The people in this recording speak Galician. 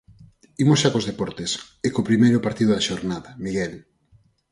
Imos xa cos deportes, e co primeiro partido da xornada, Miguel.